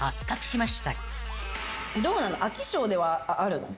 どうなの？